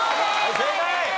正解！